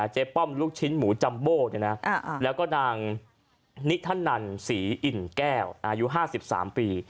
ป้อมลูกชิ้นหมูจัมโบแล้วก็นางนิธนันศรีอิ่นแก้วอายุ๕๓ปี